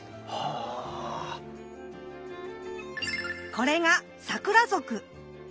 これがサクラ属